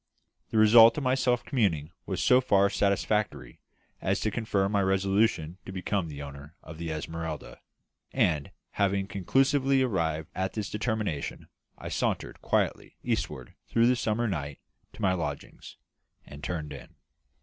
The result of my self communing was so far satisfactory as to confirm my resolution to become the owner of the Esmeralda; and, having conclusively arrived at this determination, I sauntered quietly eastward through the summer night to my lodgings, and turned in.